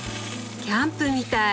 キャンプみたい！